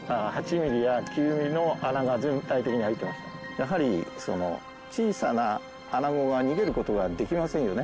やはり小さなアナゴが逃げる事ができませんよね